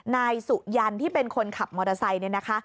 นายสุยันที่เป็นคนขับมอเตอร์ไซต์